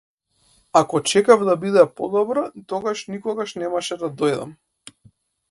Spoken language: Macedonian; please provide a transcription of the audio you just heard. Ако чекав да биде подобро, тогаш никогаш немаше да дојдам.